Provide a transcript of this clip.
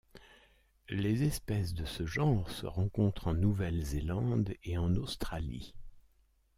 Les espèces de ce genre se rencontrent en Nouvelle-Zélande et en Australie.